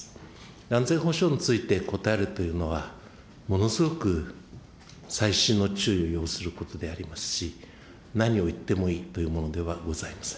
安全保障について答えるというのは、ものすごく細心の注意を要することでありますし、何を言ってもいいというものではございません。